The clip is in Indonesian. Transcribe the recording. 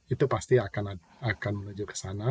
itu pasti akan menuju ke sana